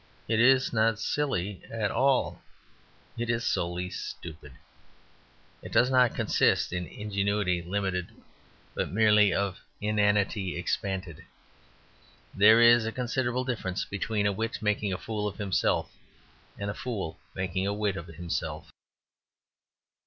It is not silly at all; it is solely stupid. It does not consist of ingenuity limited, but merely of inanity expanded. There is considerable difference between a wit making a fool of himself and a fool making a wit of himself.